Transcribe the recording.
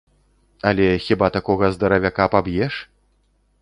Але хіба такога здаравяка паб'еш?